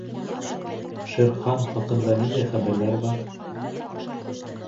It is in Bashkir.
Шер Хан хаҡында ниндәй хәбәрҙәр бар?